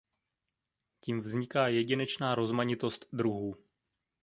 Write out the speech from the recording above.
Tím vzniká jedinečná rozmanitost druhů.